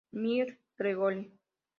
Mir, Gregori.